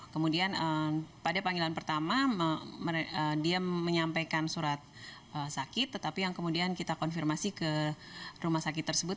kemudian pada panggilan pertama dia menyampaikan surat sakit tetapi yang kemudian kita konfirmasi ke rumah sakit tersebut